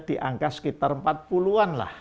di angka sekitar empat puluh an lah